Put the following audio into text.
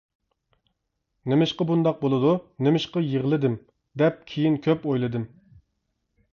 نېمىشقا بۇنداق بولىدۇ، نېمىشقا يىغلىدىم، دەپ كېيىن كۆپ ئويلىدىم.